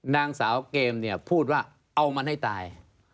นางสาวเกมเนี่ยพูดว่าเอามันให้ตาย